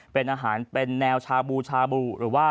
เป็นอาหารเป็นแนวชาบูชาบูหรือว่า